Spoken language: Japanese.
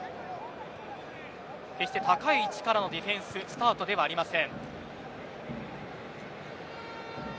決して高い位置からのディフェンススタートではありません。